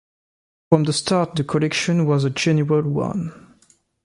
From the start the collection was a general one.